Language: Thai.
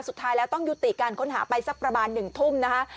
สุดท้ายแล้วต้องยุติการค้นหาไปสักประมาณ๑ทุ่มนะคะ